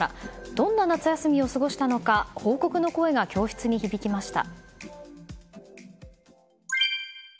どんな夏休みを過ごしたのか報告の声が教室に響きました。